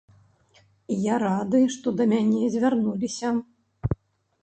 Я рады, што да мяне звярнуліся.